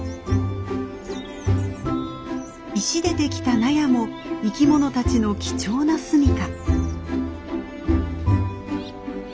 石でできた納屋も生き物たちの貴重な住みか。